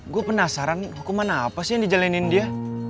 gue penasaran hukuman apa sih yang dijalanin dia